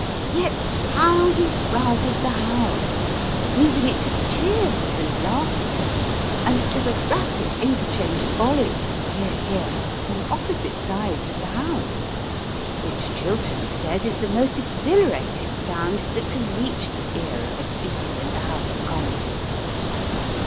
Yet how he rouses the House, moving it to cheers and laughter, and to the rapid interchange of volleys of "Hear, hear" from opposite sides of the House, which Chiltern says is the most exhilarating sound that can reach the ear of a speaker in the House of Commons.